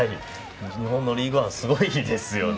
日本のリーグワンすごいですよね。